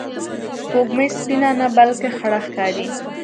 سپوږمۍ سپینه نه، بلکې خړه ښکاري